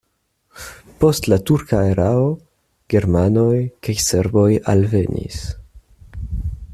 Post la turka erao germanoj kaj serboj alvenis.